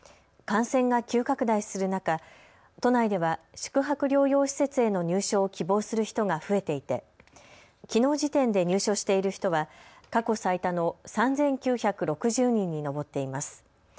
感染が急拡大する中、都内では宿泊療養施設への入所を希望する人が増えていてきのう時点で入所している人は過去最多の３９６０人に上っています。